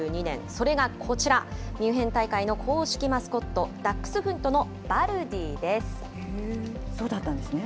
それがこちら、ミュンヘン大会の公式マスコット、ダックスフントそうだったんですね。